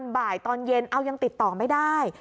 บ่ายตอนเย็นเอายังติดต่อไม่ได้